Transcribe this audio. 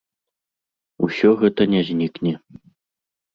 Усё гэта не знікне.